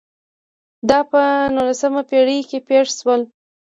دا په نولسمه پېړۍ کې پېښ شول.